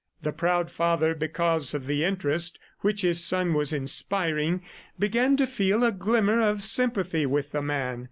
The proud father, because of the interest which his son was inspiring, began to feel a glimmer of sympathy with the man.